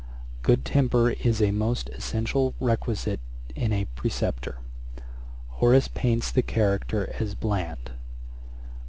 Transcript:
Good temper is a most essential requisite in a Preceptor. Horace paints the character as bland